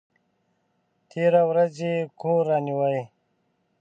تېره ورځ یې کور رانیوی!